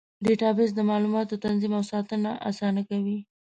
ډیټابیس د معلوماتو تنظیم او ساتنه اسانه کوي.